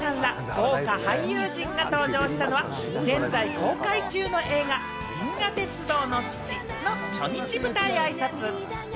豪華俳優陣が登場したのは、現在公開中の映画『銀河鉄道の父』の初日舞台挨拶。